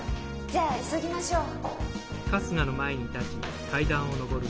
じゃあ急ぎましょう。